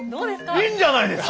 いいんじゃないですか？